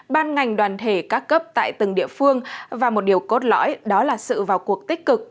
ban ngành đoàn thể các cấp tại từng địa phương và một điều cốt lõi đó là sự vào cuộc tích cực